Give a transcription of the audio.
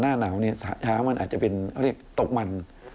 หน้าหนาวเนี่ยช้างมันอาจจะเป็นเขาเรียกตกมัน